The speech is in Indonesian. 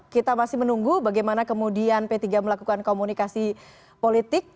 kita masih menunggu bagaimana kemudian p tiga melakukan komunikasi politik